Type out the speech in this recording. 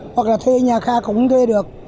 hoặc là thuê nhà khác cũng không thuê được